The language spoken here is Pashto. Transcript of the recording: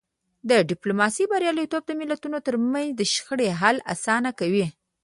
د ډیپلوماسی بریالیتوب د ملتونو ترمنځ د شخړو حل اسانه کوي.